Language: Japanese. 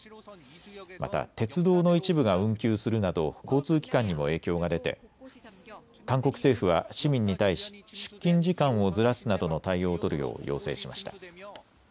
また鉄道の一部が運休するなど交通機関にも影響が出て韓国政府は市民に対し出勤時間をずらすなどの対応を取るよう要請しました。